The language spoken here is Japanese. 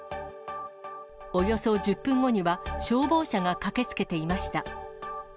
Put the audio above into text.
およそ１０分後には、消防車が駆けつけていました。